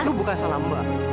itu bukan salah mbak